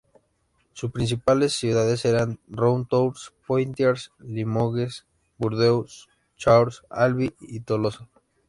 Sus principales ciudades eran Ruan, Tours, Poitiers, Limoges, Burdeos, Cahors, Albi y Tolosa.